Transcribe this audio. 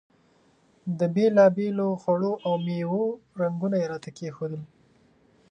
د بېلابېلو خوړو او میوو رنګونه یې راته کېښودل.